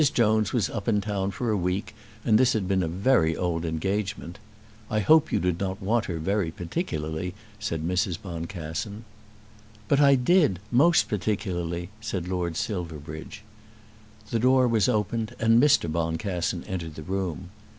Jones was up in town for a week, and this had been a very old engagement. "I hope you did not want her very particularly," said Mrs. Boncassen. "But I did, most particularly," said Lord Silverbridge. The door was opened and Mr. Boncassen entered the room.